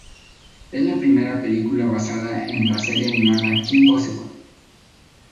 Es la primera película basada en la serie animada "Kim Possible".